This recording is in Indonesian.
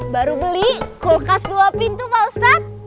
baru beli kulkas dua pintu pak ustadz